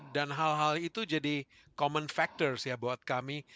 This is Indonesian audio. dan hal hal itu jadi common factors buat kami